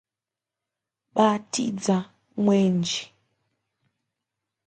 It was hosted by Shatrughan Sinha.